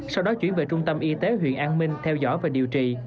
sau đó chuyển về trung tâm y tế huyện an minh theo dõi và điều trị